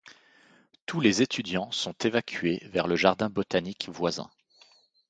Tous les étudiants sont évacués vers le Jardin Botanique voisin.